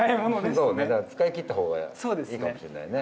そうね使い切った方がいいかもしれないね